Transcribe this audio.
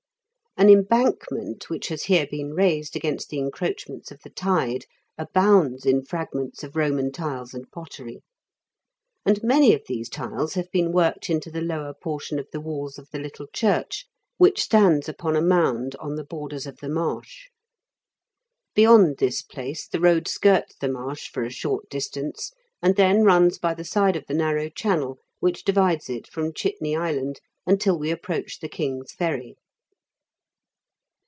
An embankment which has here been raised against the encroachments of the tide abounds in fragments of Eoman tiles and pottery; and many of these tiles have been worked into the lower portion of the walls of the little church, which stands upon a mound, on the borders of the marsh. Beyond this place the road skirts the marsh for a short distance, and then runs by the side of the narrow channel which divides it from Chitney Island until we approach the King's Ferry.